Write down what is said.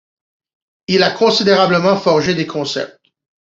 Il a considérablement forgé des concepts.